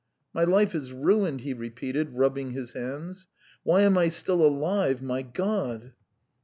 "My life is ruined," he repeated, rubbing his hands. "Why am I still alive, my God!